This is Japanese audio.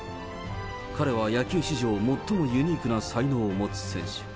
彼は野球史上最もユニークな才能を持つ選手。